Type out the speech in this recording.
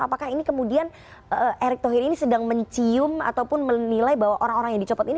apakah ini kemudian erick thohir ini sedang mencium ataupun menilai bahwa orang orang yang dicopot ini